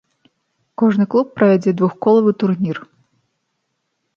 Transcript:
Кожны клуб правядзе двухколавы турнір.